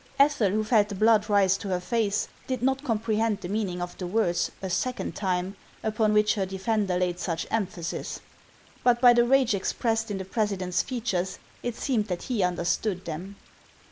Ethel, who felt the blood rise to her face, did not com prehend the meaning of the words, " a second time," upon which her defender laid such emphasis ; but by the rage expressed in the president's features, it seemed that he understood them.